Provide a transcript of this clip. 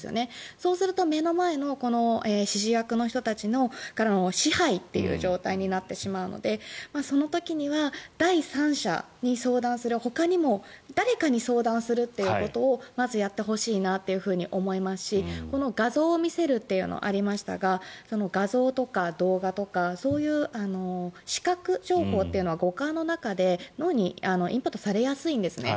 そうすると目の前の指示役の人たちからの支配という状態になってしまうのでその時には第三者に相談するほかにも誰かに相談するということをまずやってほしいなと思いますしこの画像を見せるってありましたが画像とか動画とかそういう視覚情報というのは五感の中で脳にインプットされやすいんですね。